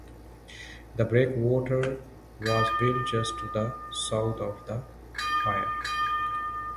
The breakwater was built just to the south of the pier.